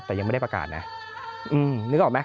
แต่ยังไม่ได้ประกาศนะนึกออกไหม